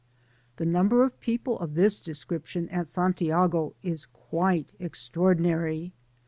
The number of people of this description at San tiago is quite extraordinary.